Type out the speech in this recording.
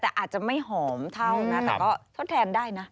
แต่อาจจะไม่หอมเท่านะแต่ก็ทดแทนได้นะ